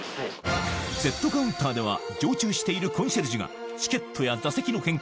Ｚカウンターでは常駐しているコンシェルジュがチケットや座席の変更